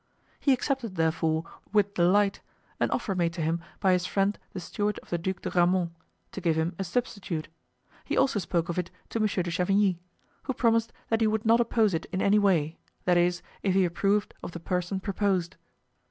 He accepted, therefore, with delight, an offer made to him by his friend the steward of the Duc de Grammont, to give him a substitute; he also spoke of it to Monsieur de Chavigny, who promised that he would not oppose it in any way—that is, if he approved of the person proposed.